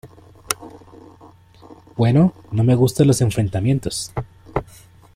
Bueno... No me gustan los enfrentamientos .